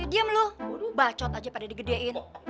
diam luh bacot aja pada digedein